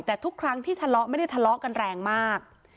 แต่ทุกครั้งที่ทะเลาะไม่ได้ทะเลาะกันแรงมาก